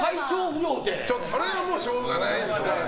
それはしょうがないですからね。